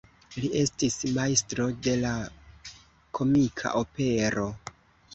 Li estis majstro de la komika opero.